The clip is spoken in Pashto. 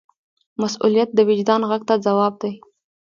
مسؤلیت د وجدان غږ ته ځواب دی.